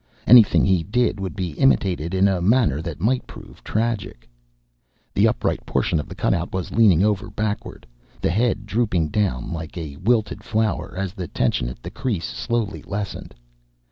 Anything he did would be imitated in a manner that might prove tragic. The upright portion of the cutout was leaning over backward, the head drooping down like a wilted flower, as the tension at the crease slowly lessened.